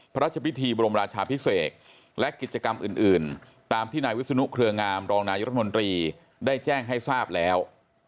พระราชพิธีบรมราชาพิเศษและกิจกรรมอื่นตามที่นายวิศนุเครืองามรองนายรัฐมนตรีได้แจ้งให้ทราบแล้ว